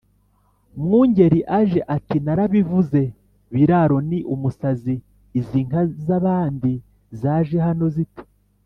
Mwungeli aje, ati: "Narabivuze, Biraro ni umusazi, izi nka z' abandi zaje hano zite ?